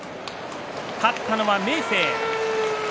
勝ったのは明生。